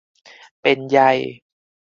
เป็นไย